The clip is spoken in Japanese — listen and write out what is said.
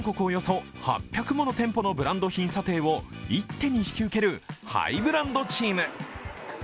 およそ８００もの店舗のブランド品査定を一手に引き受けるハイブランドチーム。